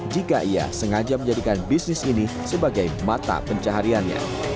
jika ia sengaja menjadikan bisnis ini sebagai mata pencahariannya